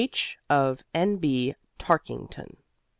H. of N.B. Tarkington.